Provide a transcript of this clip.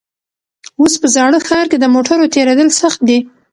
اوس په زاړه ښار کې د موټرو تېرېدل سخت دي.